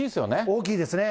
大きいですね。